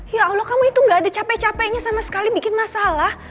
ya allah kamu itu gak ada capek capeknya sama sekali bikin masalah